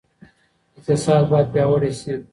اقتصاد باید پیاوړی سي.